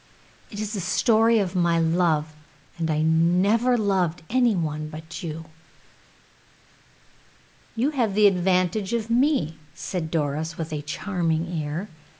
It is the story of my love, and I never loved any one but you." "You have the advantage of me," said Doris, with a charming air.